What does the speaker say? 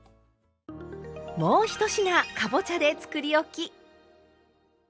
もう１品かぼちゃでつくりおき！